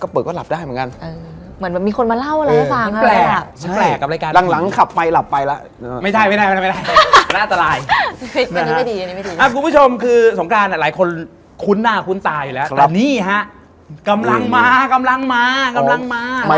เปิดเลือกเพลิงให้ฟังหน่อย